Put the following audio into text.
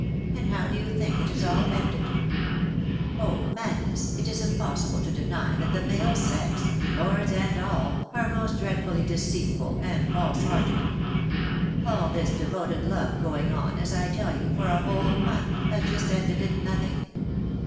And how do you think it has all ended ?.... Oh ! Magnus, it is impossible to deny that the male sex —lords and all. — are most dreadfully deceitful and false hearted. All this devoted love, going on, as I tell you, for a whole month, has just ended in nothing.